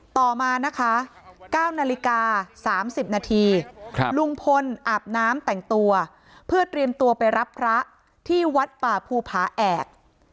ต่อมานะคะ๙นาฬิกา๓๐นาทีลุงพลอาบน้ำแต่งตัวเพื่อเตรียมตัวไปรับพระที่วัดป่าภูผาแอก